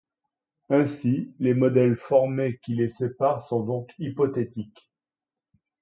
Ainsi, les modèles formés qui les séparent sont donc hypothétiques.